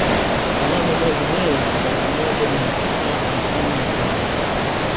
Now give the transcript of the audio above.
Mnamo mwezi Mei elfu moja mia tisa hamsini na tano